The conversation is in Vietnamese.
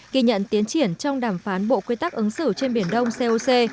kỳ nhận tiến triển trong đàm phán bộ quy tắc ứng xử trên biển đông coc